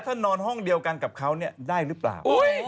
ถ้านอนห้องเดียวกันกับเขาเนี่ยได้หรือเปล่า